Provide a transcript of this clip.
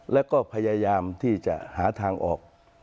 แล้วก็พยายามที่จะหาทางออก